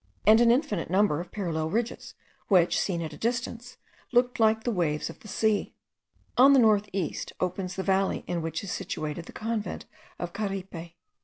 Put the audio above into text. and an infinite number of parallel ridges, which, seen at a distance, looked like the waves of the sea. On the north east opens the valley in which is situated the convent of Caripe.